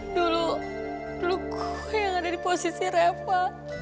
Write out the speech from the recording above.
dulu dulu gue yang ada di posisi reva